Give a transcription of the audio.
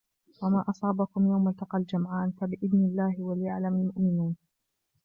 وما أصابكم يوم التقى الجمعان فبإذن الله وليعلم المؤمنين